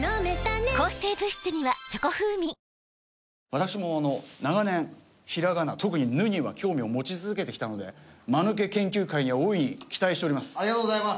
私も長年ひらがな特に「ぬ」には興味を持ち続けてきたのでまぬけ研究会には大いに期待しております。